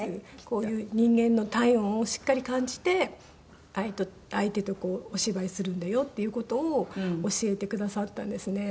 こういう人間の体温をしっかり感じて相手とお芝居するんだよっていう事を教えてくださったんですね。